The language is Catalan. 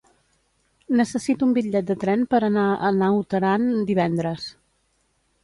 Necessito un bitllet de tren per anar a Naut Aran divendres.